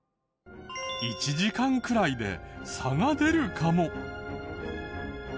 １時間くらいで差が出るかも？